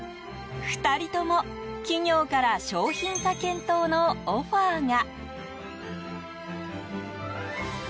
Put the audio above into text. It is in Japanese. ２人とも、企業から商品化検討のオファーが。